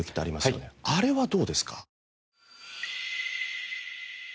あれはどうですか？